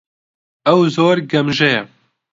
ئەو زۆر گەمژەیە.